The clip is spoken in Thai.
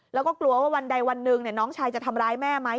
แล้วก็กลัวว่าวันใดวันหนึ่งน้องชายจะทำร้ายแม่ไหม